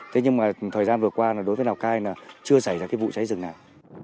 thế nhưng mà thời gian vừa qua đối với lào cai là chưa xảy ra cái vụ cháy rừng nào